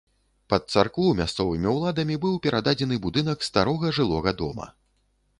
Пад царкву мясцовымі ўладамі быў перададзены будынак старога жылога дома.